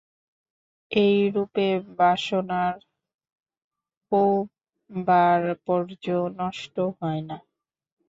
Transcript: এইরূপে বাসনার পৌর্বাপর্য নষ্ট হয় না।